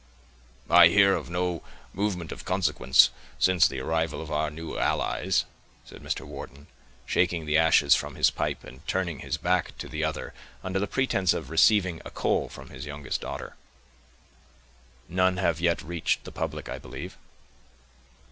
"I hear of no movement of consequence, since the arrival of our new allies," said Mr. Wharton, shaking the ashes from his pipe, and turning his back to the other under the pretense of receiving a coal from his youngest daughter. "None have yet reached the public, I believe."